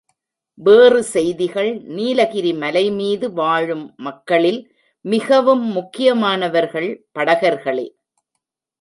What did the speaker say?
வேறு செய்திகள் நீலகிரி மலைமீது வாழும் மக்களில் மிகவும் முக்கியமானவர்கள் படகர்களே.